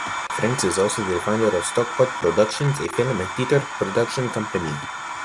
Franks is also the founder of Stock-pot Productions, a film and theatre production company.